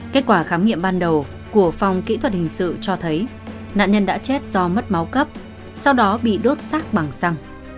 kết quả khám nghiệm ban đầu của phòng kỹ thuật hình sự cho thấy nạn nhân đã chết do mất máu cấp sau đó bị đốt xác bằng xăng